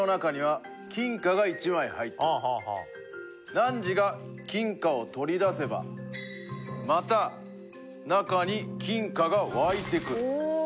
なんじが金貨を取り出せばまた中に金貨が湧いてくる。